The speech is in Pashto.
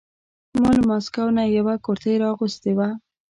ما له مسکو نه یوه کرتۍ را اغوستې وه.